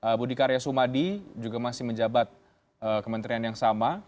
pak budi karya sumadi juga masih menjabat kementerian yang sama